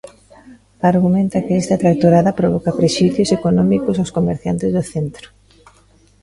Argumenta que esta tractorada provoca prexuízos económicos aos comerciantes do centro.